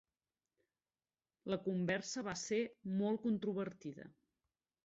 La conversa va ser molt controvertida.